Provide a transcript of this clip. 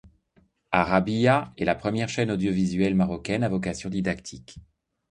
Arrabiâ est la première chaîne audiovisuelle marocaine à vocation didactique.